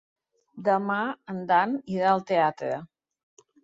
Demà en Dan irà al teatre.